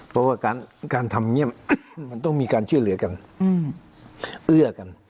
เพราะว่าการทำเงียบมันต้องมีการช่วยเหลือกันเอื้อกัน